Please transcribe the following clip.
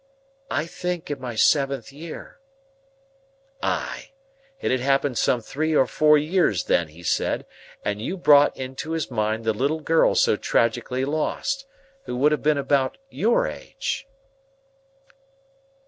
"I think in my seventh year." "Ay. It had happened some three or four years then, he said, and you brought into his mind the little girl so tragically lost, who would have been about your age."